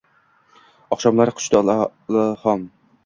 Oqshomlari quchdi ilhom